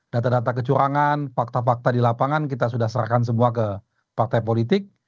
data data kecurangan fakta fakta di lapangan kita sudah serahkan semua ke partai politik